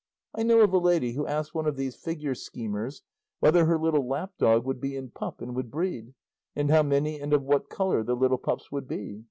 I know of a lady who asked one of these figure schemers whether her little lap dog would be in pup and would breed, and how many and of what colour the little pups would be.